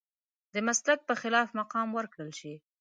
د مسلک په خلاف مقام ورکړل شي.